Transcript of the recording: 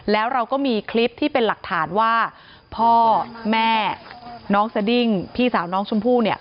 แล้วเราก็มีคลิปที่เป็นหลักฐานว่าพ่อแม่น้องสดิ้งพี่สาวน้องชมพู่เนี่ย